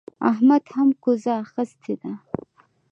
احمد هم کوزه اخيستې ده.